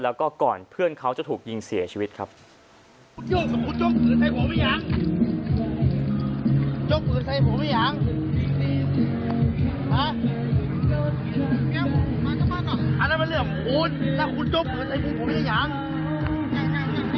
อันนั้นเป็นเรื่องของคุณถ้าคุณจบมือเธอถูกไม่อยาก